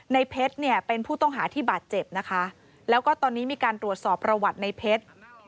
ในเพชรเนี่ยเป็นผู้ต้องหาที่บาดเจ็บนะคะแล้วก็ตอนนี้มีการตรวจสอบประวัติในเพชร